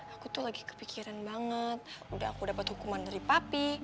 aku tuh lagi kepikiran banget udah aku dapat hukuman dari papi